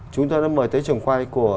chúng tôi đã mời tới trường quay của